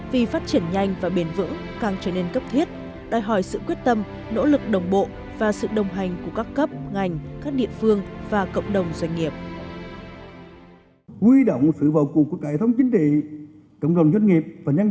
vì phát triển nhanh và bền vững càng trở nên cấp thiết đòi hỏi sự quyết tâm nỗ lực đồng bộ và sự đồng hành của các cấp ngành các địa phương và cộng đồng doanh nghiệp